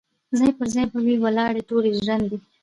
ځاي پر ځای به وي ولاړي ټولي ژرندي